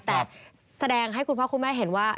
แต่แสดงให้คุณพ่อคุณแม่เห็นว่า